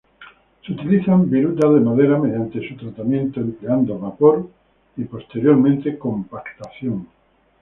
Se utilizan virutas de madera mediante su tratamiento empleando vapor y posterior compactación.